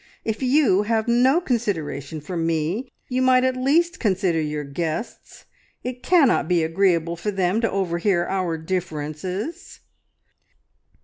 If you have no consideration for me, you might at least consider your guests; it cannot be agreeable for them to overhear our differences."